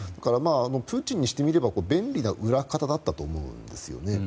プーチンにしてみれば便利な裏方だったと思うんですよね。